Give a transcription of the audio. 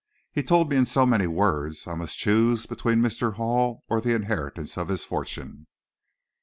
He told me in so many words, I must choose between Mr. Hall or the inheritance of his fortune."